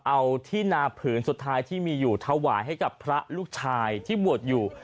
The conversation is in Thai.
เอาที่นาผืนสุดท้ายที่มีอยู่ถวายให้กับพระลูกชายที่บวชอยู่